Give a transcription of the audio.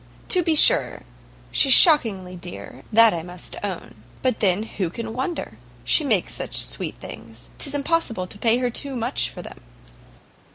To be sure she's shockingly dear, that I must own; but then who can wonder? She makes such sweet things, 'tis impossible to pay her too much for them."